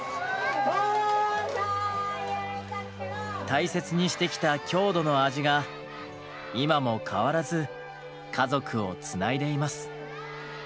大切にしてきた郷土の味が今も変わらず家族をつないでいます。